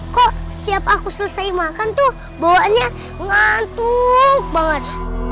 kok setiap aku selesai makan tuh bawaannya ngantuk banget